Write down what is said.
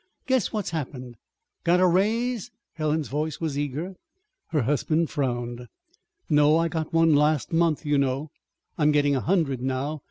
"Guess what's happened!" "Got a raise?" Helen's voice was eager. Her husband frowned. "No. I got one last month, you know. I'm getting a hundred now.